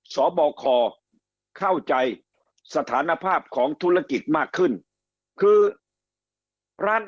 สบคเข้าใจสถานภาพของธุรกิจมากขึ้นคือร้าน